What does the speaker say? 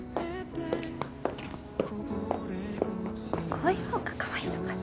こういうほうがかわいいのかな？